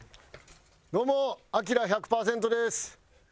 どうもアキラ１００％です。